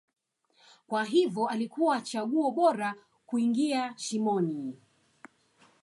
kwa hivyo alikuwa chaguo bora kuingia shimoni